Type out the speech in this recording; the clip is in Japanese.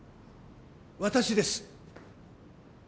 私です。